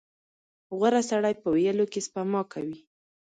• غوره سړی په ویلو کې سپما کوي.